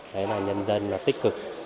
đấy là nhân dân tích cực